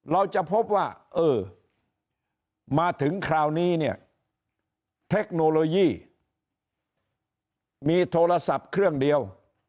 เราจะพบว่าเออมาถึงคราวนี้เนี่ยเทคโนโลยีมีโทรศัพท์เครื่องเดียว